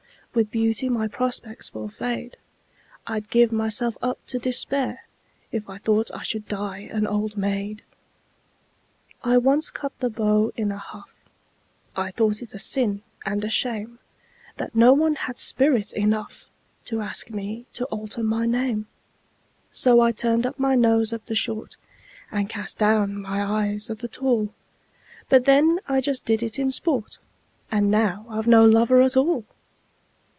With beauty my prospects will fade I'd give myself up to despair If I thought I should die an old maid! I once cut the beaux in a huff I thought it a sin and a shame That no one had spirit enough To ask me to alter my name. So I turned up my nose at the short, And cast down my eyes at the tall; But then I just did it in sport And now I've no lover at all!